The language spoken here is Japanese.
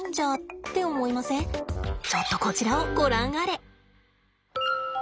ちょっとこちらをご覧あれ。